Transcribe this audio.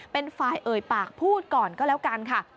เป็นฝ่ายเอ่ยปากพูดก่อนก็แล้วกันค่ะ